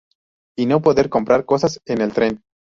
Y no poder comprar cosas en el tren.